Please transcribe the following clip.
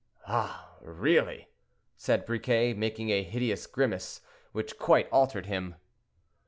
"Ah, really!" said Briquet, making a hideous grimace, which quite altered him.